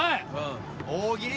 大喜利。